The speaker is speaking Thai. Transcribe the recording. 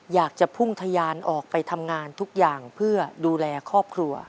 อยากจะพุ่งทะยานออกไปทำงานทุกอย่างเพื่อดูแลครอบครัว